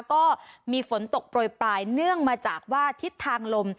ก็มีฝนตกโปรยปลายเนื่องมาจากว่าทิศทางลม